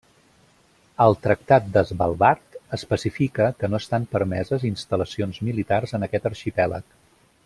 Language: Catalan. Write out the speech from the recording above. El tractat de Svalbard especifica que no estan permeses instal·lacions militars en aquest arxipèlag.